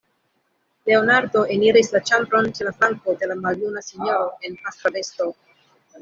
Leonardo eniris la ĉambron ĉe la flanko de maljuna sinjoro en pastra vesto.